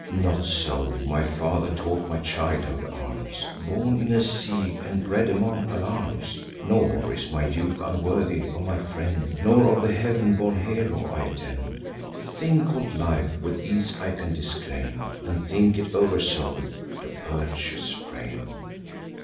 Not so my father taught my childhood arms; Born in a siege, and bred among alarms! Nor is my youth unworthy of my friend, Nor of the heav'n born hero I attend. The thing call'd life, with ease I can disclaim, And think it over sold to purchase fame."